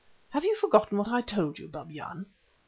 Have you forgotten what I told you, Babyan?"